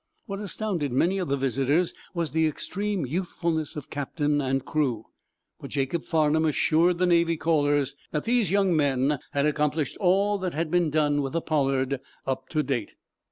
What astounded many of the visitors was the extreme youthfulness of captain and crew, but Jacob Farnum assured the naval callers that these young men had accomplished all that had been done with the 'Pollard' up to date.